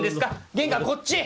玄関こっち！